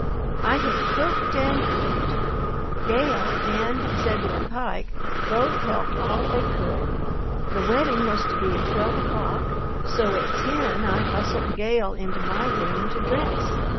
I had cooked and cooked. Gale and Zebulon Pike both helped all they could. The wedding was to be at twelve o'clock, so at ten I hustled Gale into my room to dress.